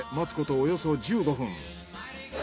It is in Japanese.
およそ１５分。